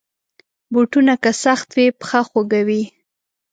بوټونه که سخت وي، پښه خوږوي.